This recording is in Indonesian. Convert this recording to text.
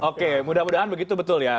oke mudah mudahan begitu betul ya